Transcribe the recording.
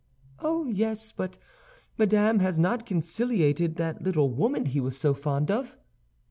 "Oh, yes; but Madame has not conciliated that little woman he was so fond of."